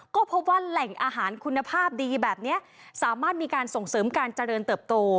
ก็พบว่าแหล่งอาหารคุณภาพดีแบบนี้สามารถมีการส่งเสริมการเจริญเติบโต